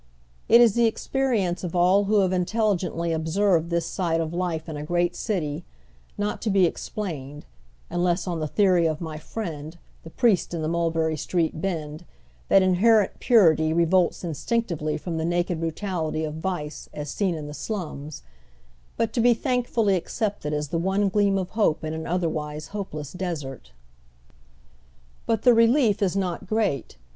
It is the experience of all who have in telligently observed this side of life in a great city, not to be explained — unless on the theory of my friend, the priest in the Mulberry Street Bend, that inherent purity revolts instinctively from the naked brutality of vice as seen in ,y Google 162 TIOW THE O'lTIEIl HALF I.IVES, tlie slums — but to be thaukfnlly accepted as the one gleam of liope in an otlierwise hopeless desert. But the relief is not great.